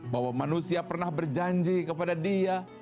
bahwa manusia pernah berjanji kepada dia